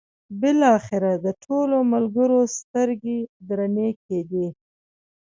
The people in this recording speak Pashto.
بالاخره د ټولو ملګرو سترګې درنې کېدې.